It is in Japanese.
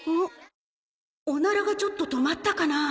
オナラがちょっと止まったかな？